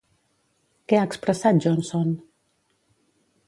Què ha expressat Johnson?